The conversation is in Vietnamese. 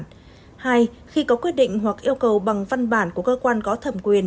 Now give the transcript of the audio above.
hai khi có quyết định hoặc yêu cầu bằng văn bản của cơ quan có thẩm quyền